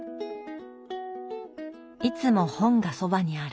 いつも本がそばにある。